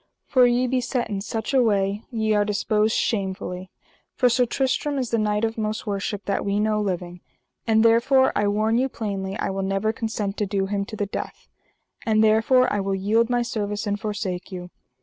for ye be set in such a way ye are disposed shamefully; for Sir Tristram is the knight of most worship that we know living, and therefore I warn you plainly I will never consent to do him to the death; and therefore I will yield my service, and forsake you.